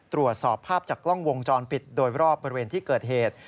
ตรวจสอบภาพจากกล้องวงจรปิดโดยรอบบริเวณที่เกิดเหตุ